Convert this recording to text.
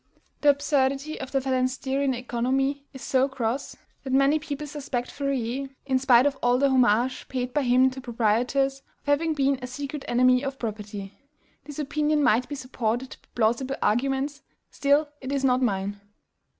The absurdity of the phalansterian economy is so gross, that many people suspect Fourier, in spite of all the homage paid by him to proprietors, of having been a secret enemy of property. This opinion might be supported by plausible arguments; still it is not mine.